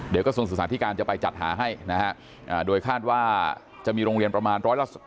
เดี๋ยวกระทรวงศึกษาธิการจะไปจัดหาให้นะฮะโดยคาดว่าจะมีโรงเรียนประมาณ๑๑๘